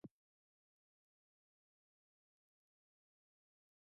Domače perilo naj se doma pere.